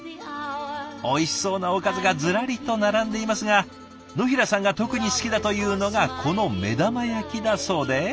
おいしそうなおかずがズラリと並んでいますが野平さんが特に好きだというのがこの目玉焼きだそうで。